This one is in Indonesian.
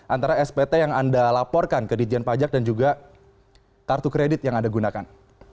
antara spt yang anda laporkan ke dijen pajak dan juga kartu kredit yang anda gunakan